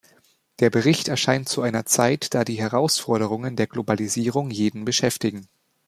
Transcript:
Der Bericht erscheint zu einer Zeit, da die Herausforderungen der Globalisierung jeden beschäftigen.